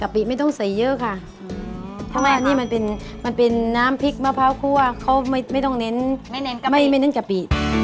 กะปิไม่ต้องใส่เยอะค่ะทำไมอันนี้มันเป็นน้ำพริกมะพร้าวคั่วเขาไม่ต้องเน้นกะปิ